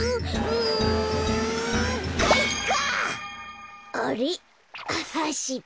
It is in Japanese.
うんかいか！